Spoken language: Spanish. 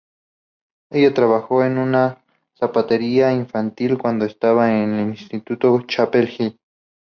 Ella trabajó en una zapatería infantil cuando estaba en el instituto de Chapel Hill.